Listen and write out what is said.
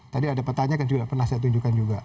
tadi ada pertanyaan kan juga pernah saya tunjukkan juga